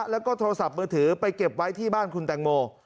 แล้วก็โทรศัพท์มือถือไปเก็บไว้ที่บ้านคุณแตงโม